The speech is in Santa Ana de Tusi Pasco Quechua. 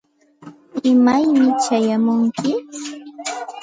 ¿imaymi chayamunki?